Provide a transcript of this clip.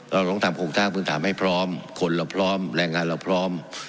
เราต้องทำภูมิต้างคุณถามให้พร้อมคนเราพร้อมแรงงานเราพร้อม